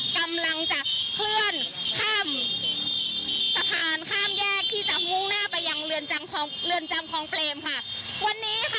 กำลังจะเคลื่อนข้ามสะพานข้ามแยกที่จะมุ่งหน้าไปยังเรือนจำคลองเรือนจำคลองเปรมค่ะวันนี้ค่ะ